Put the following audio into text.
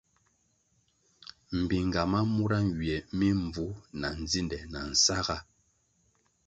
Mbpinga ma mura nywie mi mbvu na ndzinde na nsãhga.